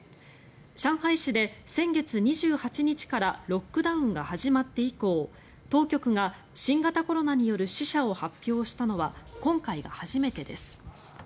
上海市で先月２８日からロックダウンが始まって以降当局が新型コロナによる死者を発表したのは今回が初めてです。